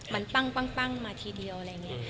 มันปั้งปั้งปั้งมาทีเดียวอะไรเงี้ย